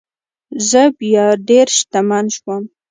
زه بیا ډیر شتمن شوم.